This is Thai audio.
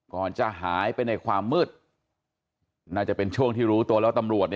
ก่อนจะหายไปในความมืดน่าจะเป็นช่วงที่รู้ตัวแล้วตำรวจ